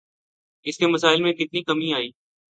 اس کے مسائل میں کتنی کمی آئی؟